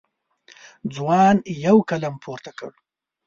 ځوان یو قلم پورته کړ.